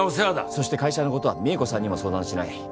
そして会社のことは美恵子さんにも相談しない。